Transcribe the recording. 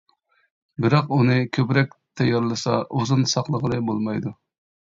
بىراق ئۇنى كۆپرەك تەييارلىسا ئۇزۇن ساقلىغىلى بولمايدۇ.